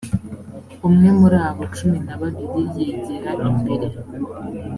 umwe muri abo cumi na babiri yegera imbere